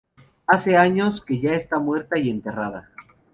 Hace años que ya está muerta y enterrada